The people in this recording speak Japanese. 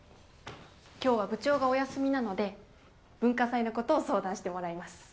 今日は部長がお休みなので文化祭のことを相談してもらいます。